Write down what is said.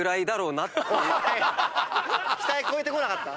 期待超えてこなかった？